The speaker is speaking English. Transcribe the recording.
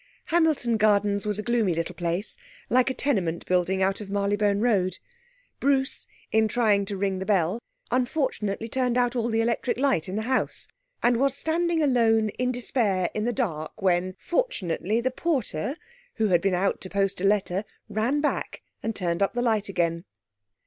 Hamilton Gardens was a gloomy little place, like a tenement building out of Marylebone Road. Bruce, in trying to ring the bell, unfortunately turned out all the electric light in the house, and was standing alone in despair in the dark when, fortunately the porter, who had been out to post a letter, ran back, and turned up the light again....